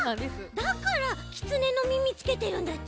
だからきつねのみみつけてるんだち？